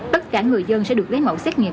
tất cả người dân sẽ được lấy mẫu xét nghiệm